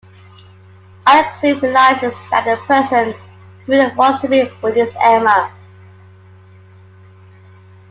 Alex soon realizes that the person he really wants to be with is Emma.